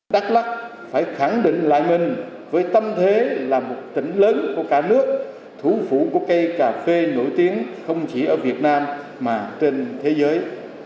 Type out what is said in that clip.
đắk lắc phải khẳng định lại mình với tâm thế là một tỉnh lớn của cả nước thủ phủ của cây cà phê nổi tiếng không chỉ ở việt nam mà trên thế giới